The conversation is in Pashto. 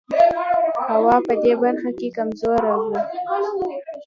هوا په دې برخه کې کمزوری و.